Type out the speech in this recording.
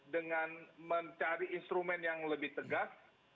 dengan mencari instrumen yang lebih tegas